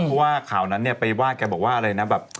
เพราะว่าข่าวนั้นเนี่ยไปว่าแกบอกว่าอะไรนะแบบ